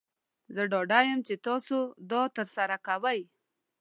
زه ډاډه یم چې تاسو دا ترسره کوئ.